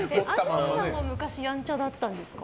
東さんも昔やんちゃだったんですか？